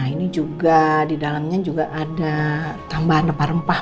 ini juga di dalamnya juga ada tambahan rempah rempah